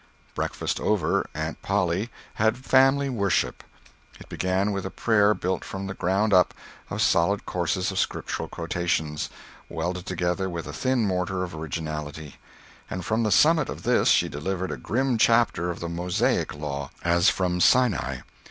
Breakfast over, Aunt Polly had family worship: it began with a prayer built from the ground up of solid courses of Scriptural quotations, welded together with a thin mortar of originality; and from the summit of this she delivered a grim chapter of the Mosaic Law, as from Sinai.